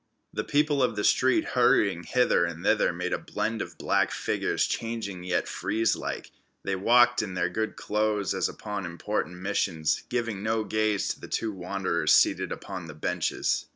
The people of the street hurrying hither and thither made a blend of black figures changing yet frieze like. They walked in their good clothes as upon important missions, giving no gaze to the two wanderers seated upon the benches.